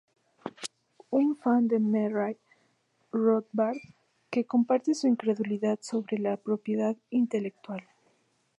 Una fan de Murray Rothbard, que comparte su incredulidad sobre la propiedad intelectual.